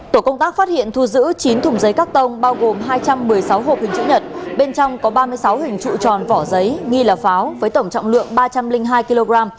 tổ công tác phát hiện thu giữ chín thùng giấy các tông bao gồm hai trăm một mươi sáu hộp hình chữ nhật bên trong có ba mươi sáu hình trụ tròn vỏ giấy nghi là pháo với tổng trọng lượng ba trăm linh hai kg